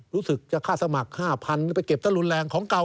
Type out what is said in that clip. รู้สึกจะค่าสมัคร๕๐๐๐หรือไปเก็บถ้ารุนแรงของเก่า